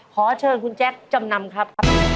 ขอเชิญคุณแจ๊คจำนำครับ